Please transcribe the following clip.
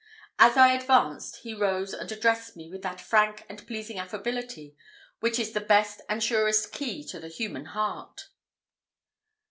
As I advanced, he rose and addressed me with that frank and pleasing affability which is the best and surest key to the human heart.